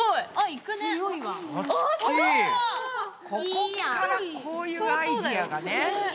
ここからこういうアイデアがね。